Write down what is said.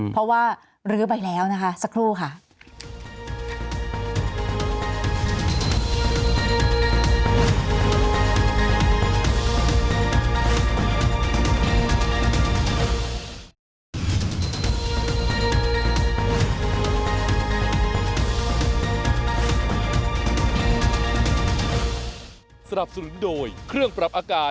เพราะว่าลื้อไปแล้วนะคะสักครู่ค่ะ